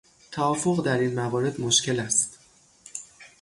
توافق در این موارد مشکل است.